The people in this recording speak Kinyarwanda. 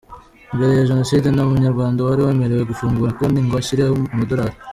Mbere ya Jenoside nta Munyarwanda wari wemerewe gufungura konti ngo ashyireho amadolari”.